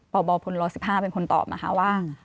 บพล๑๕เป็นคนตอบนะคะว่า